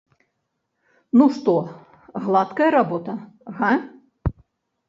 Ну што, гладкая работа, га?